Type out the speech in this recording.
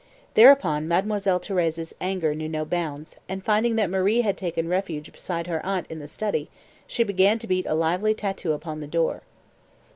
Thereupon Mademoiselle Thérèse's anger knew no bounds, and finding that Marie had taken refuge beside her aunt in the study, she began to beat a lively tattoo upon the door.